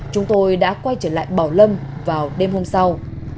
chúng tôi đã quay trở lại bảo lâm vào đêm hôm sau